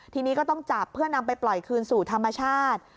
ทีนี้ก็ต้องจับเพื่อนำไปปล่อยคืนสู่ธรรมชาติ